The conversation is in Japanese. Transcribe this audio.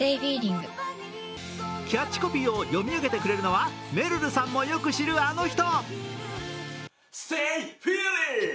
キャッチコピーを読み上げてくれるのは、めるるさんもよく知るあの人。